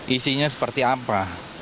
isinya seperti apa